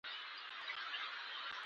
بانکونه تالا کوي پاټکونه بنا کوي.